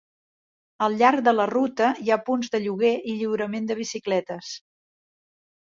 Al llarg de la ruta, hi ha punts de lloguer i lliurament de bicicletes.